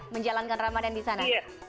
menjalankan ramadan di sana